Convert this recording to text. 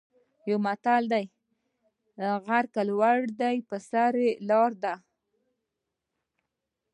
یو متل وايي: غر که لوړ دی په سر یې لاره ده.